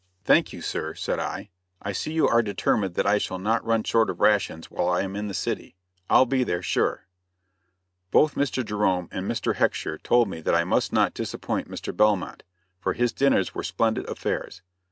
"Thank you, sir," said I; "I see you are determined that I shall not run short of rations while I am in the city. I'll be there, sure." Both Mr. Jerome and Mr. Hecksher told me that I must not disappoint Mr. Belmont, for his dinners were splendid affairs.